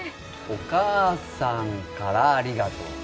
お母さんから、ありがとう。